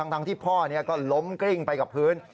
ทั้งที่พ่อก็ล้มกริ้งไปกับพื้น